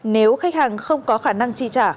nếu khách hàng không có khả năng tri trả